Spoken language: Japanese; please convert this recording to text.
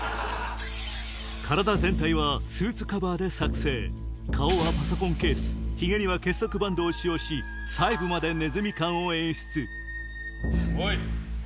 体全体はスーツカバーで作成顔はパソコンケースヒゲには結束バンドを使用し細部までねずみ感を演出おい！